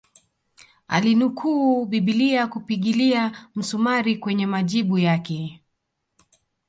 Alinukuu bibilia kupigilia msumari kwenye majibu yake